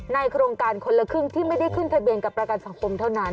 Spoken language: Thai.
โครงการคนละครึ่งที่ไม่ได้ขึ้นทะเบียนกับประกันสังคมเท่านั้น